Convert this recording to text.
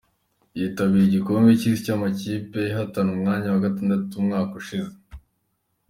Yitabiriye igikombe cy’Isi cy’amakipe itahana umwanya wa gatandatu umwaka ushize.